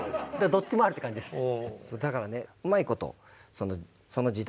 どっちもありって感じですね。